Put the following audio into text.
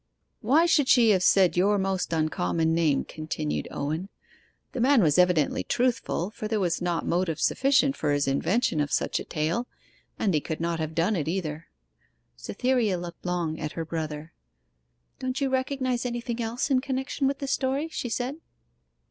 'Why should she have said your most uncommon name?' continued Owen. 'The man was evidently truthful, for there was not motive sufficient for his invention of such a tale, and he could not have done it either.' Cytherea looked long at her brother. 'Don't you recognize anything else in connection with the story?' she said.